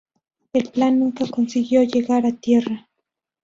El plan nunca consiguió llegar a tierra.